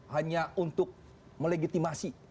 hanya untuk melegitimasi